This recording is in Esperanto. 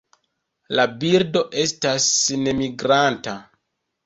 La birdo estas nemigranta.